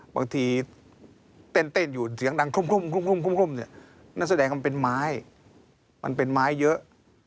บางทีเต้นอยู่เสียงดังครุ่มเนี่ยนั่นแสดงว่ามันเป็นไม้มันเป็นไม้เยอะ